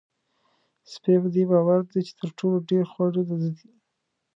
سپی په دې باور دی چې تر ټولو ډېر خواړه د ده دي.